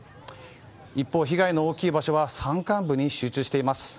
一方、被害の大きい場所は山間部に集中しています。